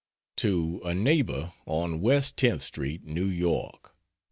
To a Neighbor on West Tenth Street, New York: Nov.